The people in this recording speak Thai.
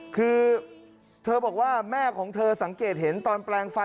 คือเธอบอกว่าแม่ของเธอสังเกตเห็นตอนแปลงฟัน